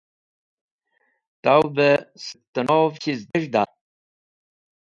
Tawẽ bẽ sẽktẽnov chiz dez̃hda?